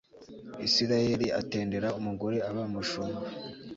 isirayeli atendera umugore aba umushumba